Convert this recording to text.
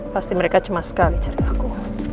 pasti mereka cemas sekali cari aku